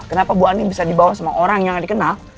kenapa bu ani bisa dibawa sama orang yang dikenal